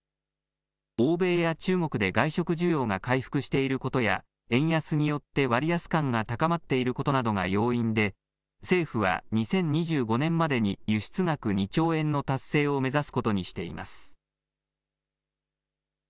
欧米や中国で外食需要が回復していることや、円安によって割安感が高まっていることなどが要因で、政府は２０２５年までに輸出額２兆円の達成を目指すことにしています。